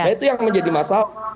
nah itu yang menjadi masalah